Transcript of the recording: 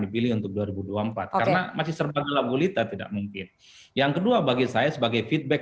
dipilih untuk dua ribu dua puluh empat karena masih serba galak bulita tidak mungkin yang kedua bagi saya sebagai feedback